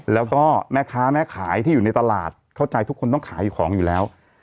แล้วก็แม่ค้าแม่ขายที่อยู่ในตลาดเข้าใจทุกคนต้องขายของอยู่แล้ว